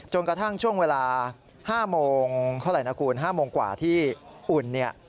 จนกระทั่งช่วงเวลา๕โมงกว่าที่อุ่น